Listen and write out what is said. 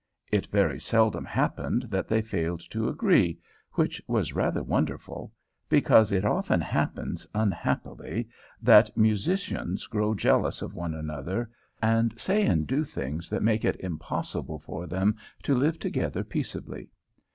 It very seldom happened that they failed to agree, which was rather wonderful, because it often happens, unhappily, that musicians grow jealous of one another, and say and do things that make it impossible for them to live together peaceably.